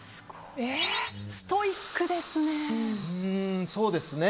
ストイックですね！